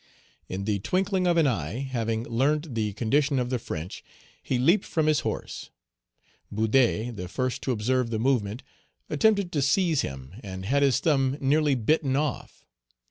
In the twinkling of an eye, having learnt the condition of the French, he leaped Page 197 from his horse. Boudet, the first to observe the movement, attempted to seize him, and had his thumb nearly bitten off.